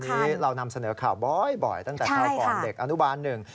วันนี้เรานำเสนอข่าวบ่อยตั้งแต่คราวก่อนเด็กอนุบาลหนึ่ง